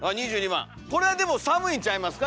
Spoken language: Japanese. これはでも寒いんちゃいますか